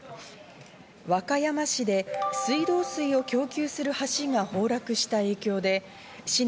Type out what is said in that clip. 和歌山市で水道水を供給する橋が崩落した影響で市内